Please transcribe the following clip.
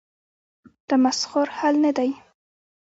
تمسخر حل نه دی.